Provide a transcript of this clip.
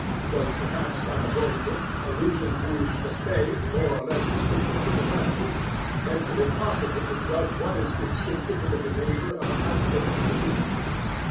Though perhaps unavoidable, allusion to "the same more or less restricted group of animals" makes it impossible to judge what is instinctive in the behaviour of an isolated individual.